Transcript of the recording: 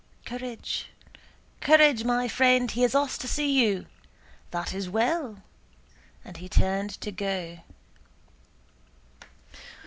"Courage, courage, my friend! He has asked to see you. That is well!" and he turned to go.